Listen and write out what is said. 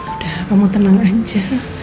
udah kamu tenang aja